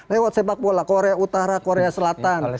lewat sepak bola korea utara korea selatan